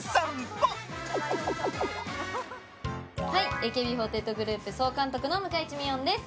ＡＫＢ４８グループ総監督の向井地美音です！